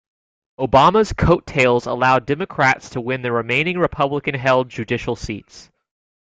Obama's coattails allowed Democrats to win the remaining Republican held judicial seats.